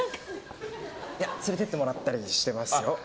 いや、連れて行ってもらったりはしてますよ。